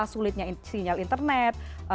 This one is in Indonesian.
sulitnya sinyal internet